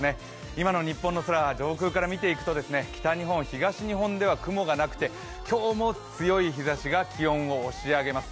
今の日本の空を上空から見ていくと、北日本、東日本では雲がなくて今日も強い日ざしが気温を押し上げます。